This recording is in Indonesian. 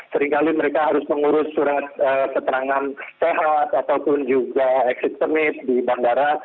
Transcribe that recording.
seringkali mereka harus mengurus surat keterangan sehat ataupun juga exismit di bandara